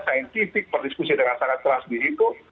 saintifik berdiskusi dengan sangat keras di situ